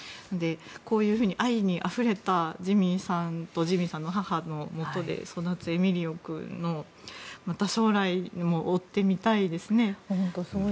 こういうふうに愛にあふれたジミーさんとジミーさんの母のもとで育つエミリオ君の本当にそうですね。